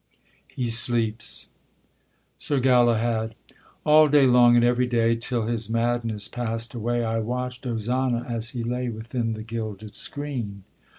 [He sleeps. SIR GALAHAD. All day long and every day, Till his madness pass'd away, I watch'd Ozana as he lay Within the gilded screen.